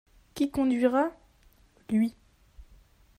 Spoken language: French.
Qui conduira ?- Lui.